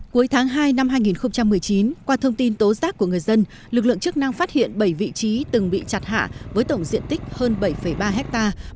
cuối tháng hai năm hai nghìn một mươi chín qua thông tin tố giác của người dân lực lượng chức năng phát hiện bảy vị trí từng bị chặt hạ với tổng diện tích hơn bảy ba hectare